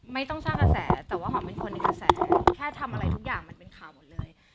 ไม่ต้องสร้างกระแสแต่ว่าหอมเป็นคนในกระแสแค่ทำอะไรทุกอย่างมันเป็นข่าวหมดเลย